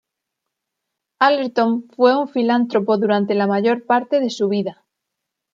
Allerton fue un filántropo durante la mayor parte de su vida.